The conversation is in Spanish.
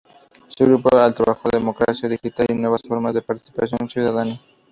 Su grupo de trabajo es "Democracia digital y nuevas formas de participación ciudadana".